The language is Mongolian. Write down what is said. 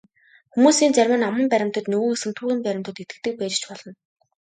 Хүмүүсийн зарим нь аман баримтад, нөгөө хэсэг нь түүхэн баримтад итгэдэг байж ч болно.